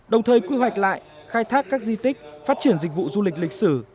đồng thời quy hoạch lại khai thác các di tích phát triển dịch vụ du lịch lịch sử